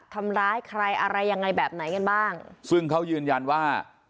ทำร้ายใครอะไรยังไงแบบไหนกันบ้างซึ่งเขายืนยันว่า